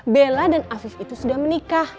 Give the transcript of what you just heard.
bella dan afif itu sudah menikah